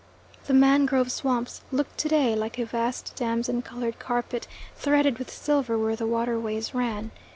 The mangrove swamps looked to day like a vast damson coloured carpet threaded with silver where the waterways ran.